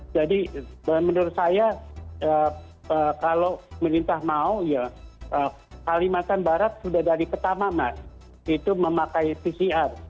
jadi menurut saya kalau pemerintah mau ya kalimantan barat sudah dari pertama mas itu memakai pcr